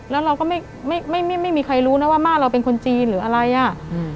แล้วเราก็ไม่ไม่ไม่มีใครรู้นะว่าม่าเราเป็นคนจีนหรืออะไรอ่ะ